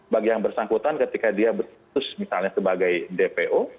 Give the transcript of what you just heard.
bagi yang bersangkutan ketika dia berputus misalnya sebagai dpo